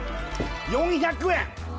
４００円